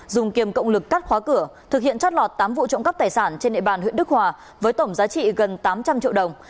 dùng kiềm cộng lực cắt khóa cửa thực hiện trót lọt tám vụ trộm cắp tài sản trên địa bàn huyện đức hòa với tổng giá trị gần tám trăm linh triệu đồng